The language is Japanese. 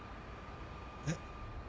えっ？